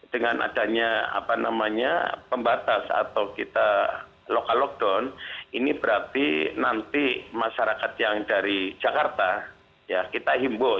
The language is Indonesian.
dengan adanya pembatas atau kita lokal lockdown ini berarti nanti masyarakat yang dari jakarta ya kita himbo